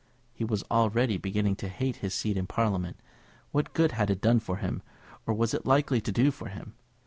He was already beginning to hate his seat in Parliament. What good had it done for him, or was it likely to do for him?